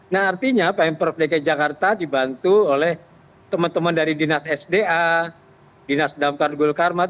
nah artinya pemper bdk jakarta dibantu oleh teman teman dari dinas sda dinas damkar gulkarmat